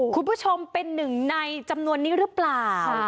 คุณผู้ชมเป็นหนึ่งในจำนวนนี้หรือเปล่า